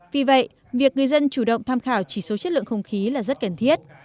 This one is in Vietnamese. vì vậy việc người dân chủ động tham khảo chỉ số chất lượng không khí là rất cần thiết